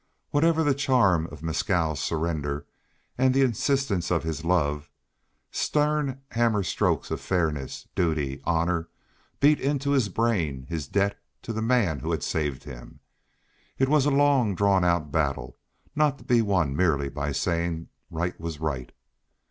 Whatever the charm of Mescal's surrender, and the insistence of his love, stern hammer strokes of fairness, duty, honor, beat into his brain his debt to the man who had saved him. It was a long drawn out battle not to be won merely by saying right was right.